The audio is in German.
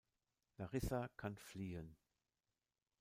Larissa kann fliehen.